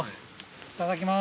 いただきます。